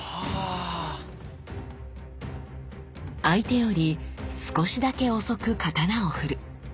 相手より少しだけ遅く刀をふる。